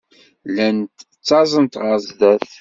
Llant ttaẓent ɣer sdat.